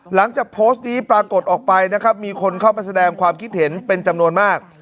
หลังจากโพสต์นี้ปรากฏออกไปนะครับมีคนเข้ามาแสดงความคิดเห็นเป็นจำนวนมาก